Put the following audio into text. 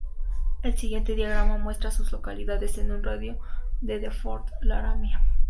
El siguiente diagrama muestra a las localidades en un radio de de Fort Laramie.